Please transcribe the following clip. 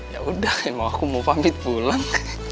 yaudah emang aku mau pamit pulang